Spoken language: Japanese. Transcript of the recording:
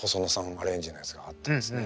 アレンジのやつがあってですね。